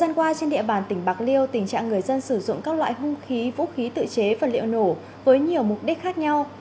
ở địa bàn tỉnh bạc liêu tình trạng người dân sử dụng các loại hung khí vũ khí tự chế và liệu nổ với nhiều mục đích khác nhau